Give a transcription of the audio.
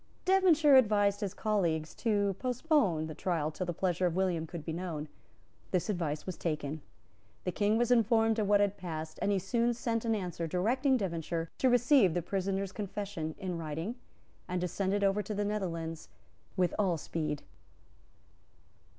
Devonshire advised his colleagues to postpone the trial till the pleasure of William could be known. This advice was taken. The King was informed of what had passed; and he soon sent an answer directing Devonshire to receive the prisoner's confession in writing, and to send it over to the Netherlands with all speed.